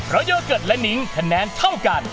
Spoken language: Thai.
เราย่อเกิดและนิงแขนแนนเท่ากัน